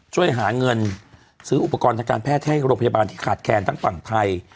ช่วยหาเงินซื้ออุปกรณ์ทางการแพทย์ให้โรงพยาบาลที่ขาดแคนทั้งฝั่งไทย